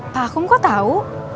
pakum kok tau